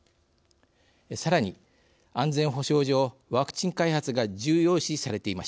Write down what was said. さらに安全保障上ワクチン開発が重要視されていました。